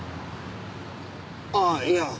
ああいや。